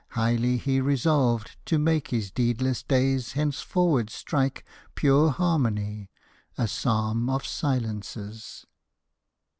Highly he resolved To make his deedless days henceforward strike Pure harmony a psalm of silences.